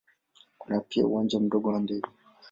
Kuna pia uwanja mdogo wa ndege.